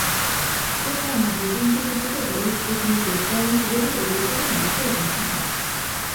世界が矛盾的自己同一的に絶対に触れるということがなければならない。